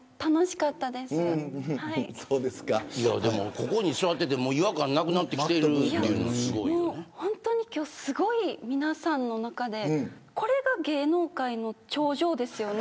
ここに座っていてもう違和感なくなってきているっていうのは本当に今日すごい皆さんの中でこれが芸能界の頂上ですよね。